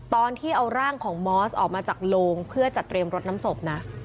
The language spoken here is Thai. ตอนที่เอาร่างของมอสออกมาจากโลงเพื่อจัดเตรียมรถน้ำศพนะ